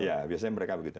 ya biasanya mereka begitu